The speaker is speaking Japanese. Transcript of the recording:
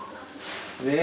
ねえ。